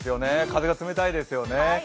風が冷たいですよね。